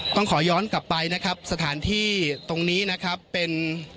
ต้องขอย้อนกลับไปนะครับสถานที่ตรงนี้นะครับเป็น